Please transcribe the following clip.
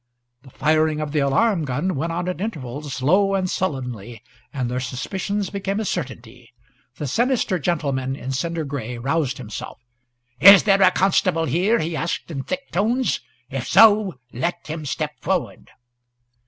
The firing of the alarm gun went on at intervals, low and sullenly, and their suspicions became a certainty. The sinister gentleman in cinder gray roused himself. "Is there a constable here?" he asked, in thick tones. "If so, let him step forward."